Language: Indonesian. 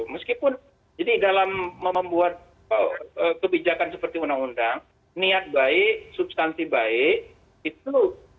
meskipun jadi dalam membuat kebijakan seperti undang undang niat baik substansi baik itu harus juga diikuti oleh pemerintah